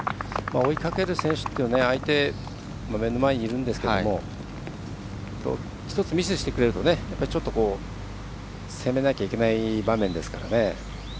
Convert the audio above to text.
追いかける選手というのは相手、目の前にいるんですけど１つミスしてくれるとちょっと攻めなきゃいけない場面ですから。